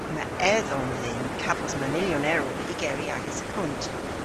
Yma edhom dhyn kavos manylyon erel dhe ygeri agas akont.